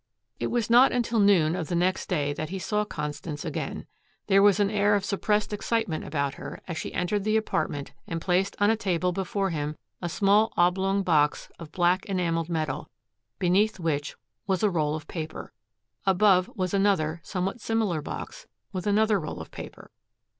It was not until noon of the next day that he saw Constance again. There was an air of suppressed excitement about her as she entered the apartment and placed on a table before him a small oblong box of black enameled metal, beneath which was a roll of paper. Above was another somewhat similar box with another roll of paper.